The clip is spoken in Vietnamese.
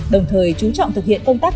đồng thời chú trọng thực hiện công tác